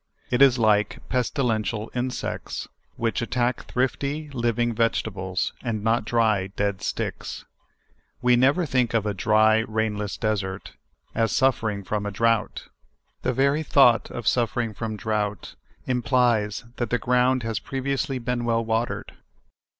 It is like pestilential insects, which attack thrifty, living vegetables, and not dry, dead sticks. We never think of a' dry, rainless desert as suffering from a drouth. The very thought of suffering from drouth implies that the ground has previously been well watered.